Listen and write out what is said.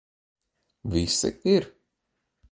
Visi ?ir